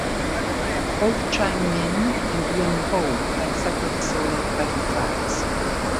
Both Changmin and Yunho had separate solo title tracks.